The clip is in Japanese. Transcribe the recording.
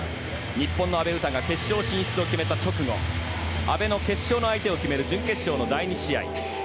日本の阿部詩が決勝進出を決めた直後阿部の決勝の相手を決める準決勝の第２試合。